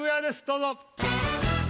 どうぞ。